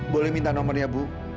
boleh minta nomernya bu